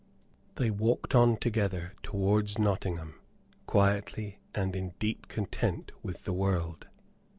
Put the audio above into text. They walked on together towards Nottingham, quietly, and in deep content with the world.